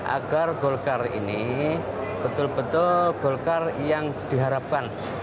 agar golkar ini betul betul golkar yang diharapkan